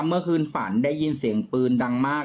เมื่อคืนฝันได้ยินเสียงปืนดังมาก